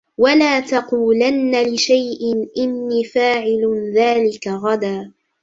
ولا تقولن لشيء إني فاعل ذلك غدا